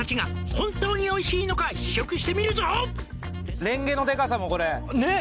「本当においしいのか試食してみるぞ」